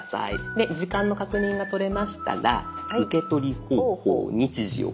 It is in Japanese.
で時間の確認がとれましたら「受け取り方法・日時を決定」